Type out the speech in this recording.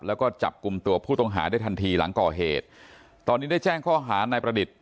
แล้วก็จับกลุ่มตัวผู้ต้องหาได้ทันทีหลังก่อเหตุตอนนี้ได้แจ้งข้อหานายประดิษฐ์